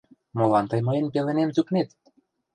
Молан тый мыйын пеленем тӱкнет?